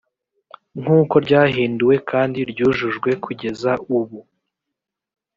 nk uko ryahinduwe kandi ryujujwe kugeza ubu